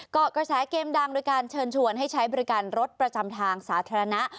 เกาะกระแสเกมดังโดยการเชิญชวนให้ใช้บริการรถประจำทางสาธารณะ